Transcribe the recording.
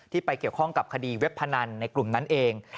ไปเกี่ยวข้องกับคดีเว็บพนันในกลุ่มนั้นเอง